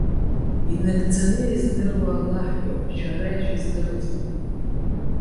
Инагӡаны издыруа Аллаҳ иоуп, шәара ишәыздырӡом.